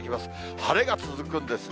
晴れが続くんですね。